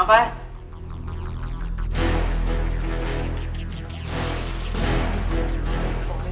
ไปนอนไป